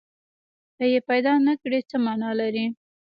که یې پیدا نه کړي، څه معنی لري؟